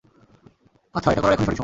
আচ্ছা, এটা করার এখনই সঠিক সময়।